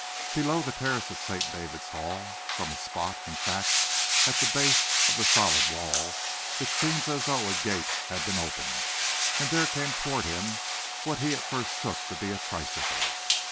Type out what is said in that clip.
Below the terrace of St. David's Hall from a spot, in fact, at the base of the solid wall it seemed as though a gate had been opened, and there came towards him what he at first took to be a tricycle.